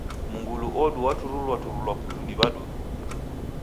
Mngulu odu waturulwa turulwa putu ni w'adudu.